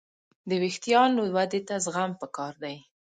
د وېښتیانو ودې ته زغم پکار دی.